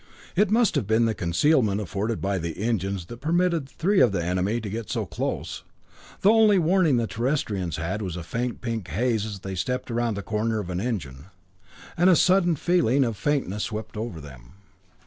It must have been the concealment afforded by the engines that permitted three of the enemy to get so close. The only warning the Terrestrians had was a faint pink haze as they stepped around the corner of an engine; and a sudden feeling of faintness swept over them.